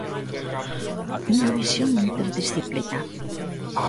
Unha visión interdisciplinar.